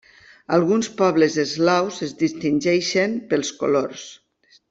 Alguns pobles eslaus es distingeixen pels colors.